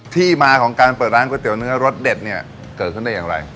ที่มาของการเปิดร้านก๋วเนื้อรสเด็ดเนี่ยเกิดขึ้นได้อย่างไร